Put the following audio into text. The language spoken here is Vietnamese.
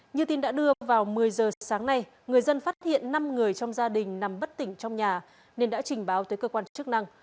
như tin đã đưa vào một mươi giờ sáng nay người dân phát hiện năm người trong gia đình nằm bất tỉnh trong nhà nên đã trình báo tới cơ quan chức năng